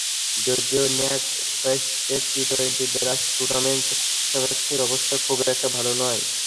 যদিও NatWest T twenty blast টুর্নামেন্টে সাসেক্সের অবস্থা খুব একটা ভালো নয়।